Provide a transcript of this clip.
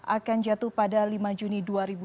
akan jatuh pada lima juni dua ribu sembilan belas